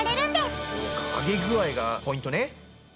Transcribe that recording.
そうか揚げ具合がポイントね。